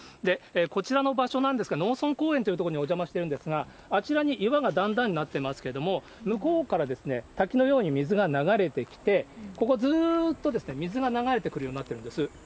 こちらの場所なんですが、農村公園というところにお邪魔してるんですが、あちらに岩が段々になってますけれども、向こうから滝のように水が流れてきて、ここ、ずっと水が流れてくるようになっているんです。